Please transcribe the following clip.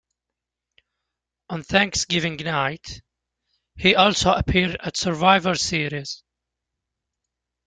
On Thanksgiving night, he also appeared at Survivor Series.